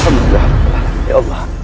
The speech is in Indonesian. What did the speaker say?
alhamdulillah ya allah